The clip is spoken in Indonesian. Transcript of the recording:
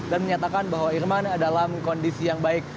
dan menyatakan bahwa irman dalam kondisi yang baik